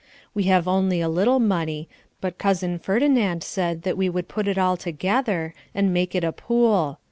We have only a little money, but Cousin Ferdinand said that we would put it all together and make it a pool.